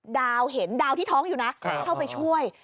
ดาวเห็นดาวที่ท้องอยู่นะเข้าไปช่วย